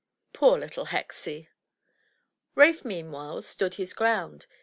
Poor little Hexie! Ralph, meanwhile^ stood his ground.